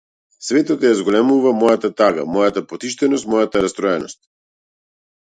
Светот ја зголемува мојата тага, мојата потиштеност, мојата растроеност.